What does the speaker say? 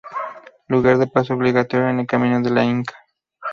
Lugar de paso obligatorio en el camino del Inca.